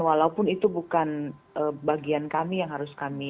walaupun itu bukan bagian kami yang harus kami